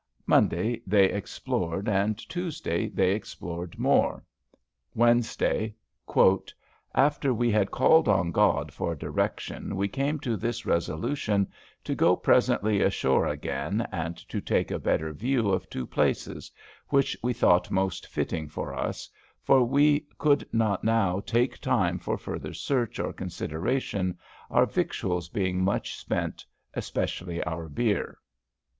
Monday they explored, and Tuesday they explored more. Wednesday, "After we had called on God for direction, we came to this resolution, to go presently ashore again, and to take a better view of two places, which we thought most fitting for us; for we could not now take time for further search or consideration, our victuals being much spent, especially our beer."